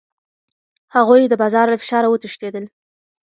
هغوی د بازار له فشاره وتښتېدل.